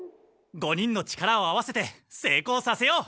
５人の力を合わせてせいこうさせよう！